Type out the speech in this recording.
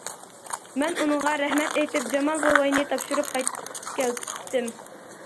مەن ئۇنىڭغا رەھمەت ئېيتىپ، جامال بوۋاينى تاپشۇرۇپ قايتىپ كەتتىم.